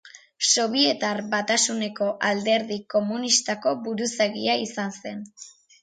Sobietar Batasuneko Alderdi Komunistako buruzagia izan zen.